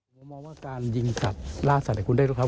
ผมมองว่าการยิงสัตว์ล่าสัตว์คุณได้รู้ครับ